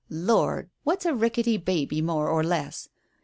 Lord, what's a ricketty baby more or less